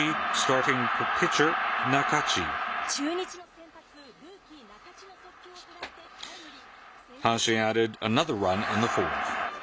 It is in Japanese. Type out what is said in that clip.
中日の先発、ルーキー、仲地の速球を捉えて、タイムリー。